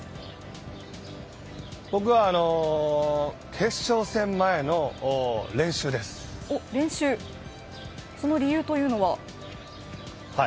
僕は決勝戦前のその理由というのは。